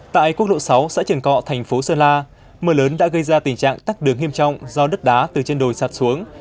tại quốc lộ sáu xã trường cọ thành phố sơn la mưa lớn đã gây ra tình trạng tắt đường nghiêm trọng do đất đá từ trên đồi sạt xuống